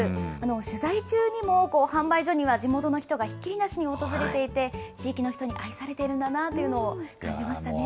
取材中にも、販売所には地元の人がひっきりなしに訪れていて、地域の人に愛されているんだなというのを感じましたね。